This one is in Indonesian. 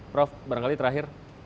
prof barangkali terakhir